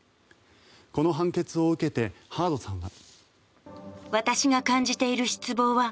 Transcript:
この判決を受けてハードさんは。